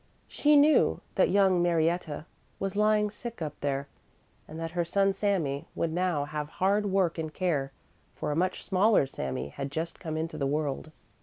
She knew that young Marietta was lying sick up there and that her son Sami would now have hard work and care, for a much smaller Sami had just come into the world.